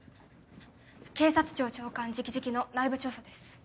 ・警察庁長官直々の内部調査です。